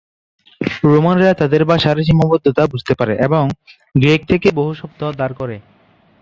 রোমানরা তাদের ভাষার সীমাবদ্ধতা বুঝতে পারে এবং গ্রিক থেকে বহু শব্দ ধার করে।